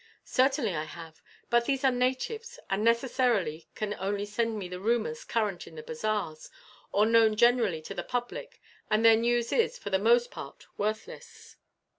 "Certainly I have, but these are natives, and necessarily can only send me the rumours current in the bazaars, or known generally to the public; and their news is, for the most part, worthless."